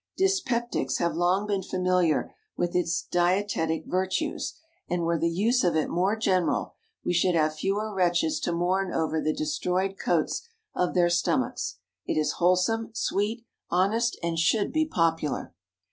Dyspeptics have long been familiar with its dietetic virtues, and, were the use of it more general, we should have fewer wretches to mourn over the destroyed coats of their stomachs. It is wholesome, sweet, honest, and should be popular.